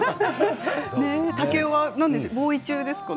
竹雄はボウイ中ですかね。